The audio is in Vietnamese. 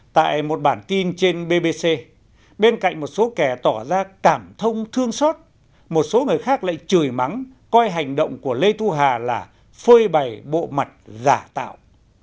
tại một bản tin trên bbc bên cạnh một số kẻ tỏ ra cảm thông thương xót một số người khác lại chửi mắng coi hành động của lê thu hà là phơi bày bộ mặt giả tạo